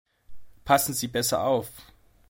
Passen Sie bitte besser auf!